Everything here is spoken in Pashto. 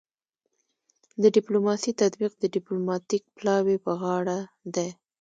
د ډیپلوماسي تطبیق د ډیپلوماتیک پلاوي په غاړه دی